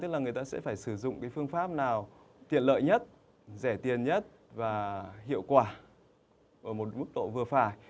những cái phương pháp nào tiện lợi nhất rẻ tiền nhất và hiệu quả ở một mức độ vừa phải